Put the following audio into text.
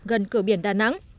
gần cửa biển đà nẵng